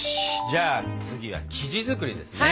じゃあ次は生地作りですね？